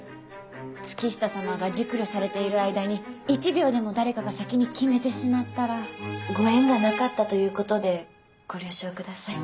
月下様が熟慮されている間に一秒でも誰かが先に決めてしまったらご縁がなかったということでご了承ください。